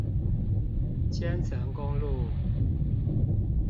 千層公路